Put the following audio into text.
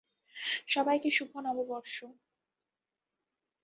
সবাইকে শুভ নববর্ষ।